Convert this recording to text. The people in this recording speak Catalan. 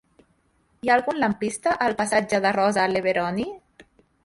Hi ha algun lampista al passatge de Rosa Leveroni?